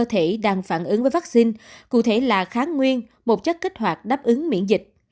thể đang phản ứng với vaccine cụ thể là kháng nguyên một chất kích hoạt đáp ứng miễn dịch